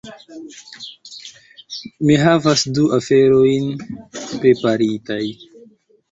mi havas du aferojn preparitaj